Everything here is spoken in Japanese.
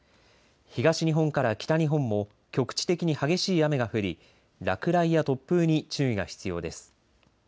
東日本から北日本も局地的に激しい雨が降り落雷や突風に注意が必要です。